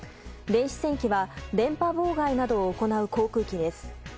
電子戦機は電波妨害などを行う飛行機です。